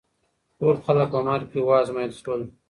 ټول خلګ په مرګ کي وازمایل سول.